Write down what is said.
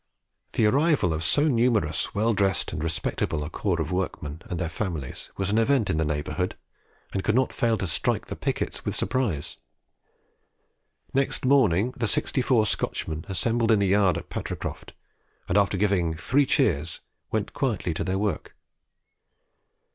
The arrival of so numerous, well dressed, and respectable a corps of workmen and their families was an event in the neighbourhood, and could not fail to strike the "pickets" with surprise. Next morning the sixty four Scotchmen assembled in the yard at Patricroft, and after giving "three cheers," went quietly to their work.